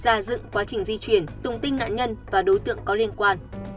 giả dựng quá trình di chuyển tùng tinh nạn nhân và đối tượng có liên quan